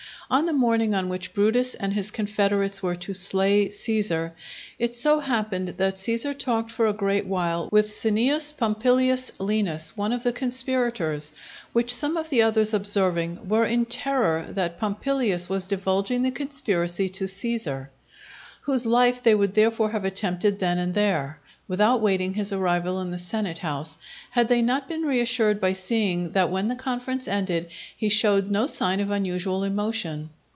On the morning on which Brutus and his confederates were to slay Cæsar, it so happened that Cæsar talked for a great while with Cneus Pompilius Lenas, one of the conspirators; which some of the others observing, were in terror that Pompilius was divulging the conspiracy to Cæsar; whose life they would therefore have attempted then and there, without waiting his arrival in the senate house, had they not been reassured by seeing that when the conference ended he showed no sign of unusual emotion.